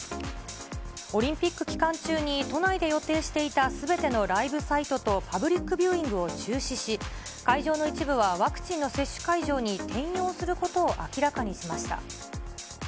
オリンピック期間中に都内で予定していたすべてのライブサイトとパブリックビューイングは中止し、会場の一部はワクチンの接種会場に転用することを明らかにしました。